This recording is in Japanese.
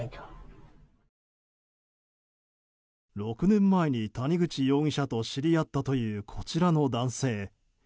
６年前に谷口容疑者と知り合ったというこちらの男性。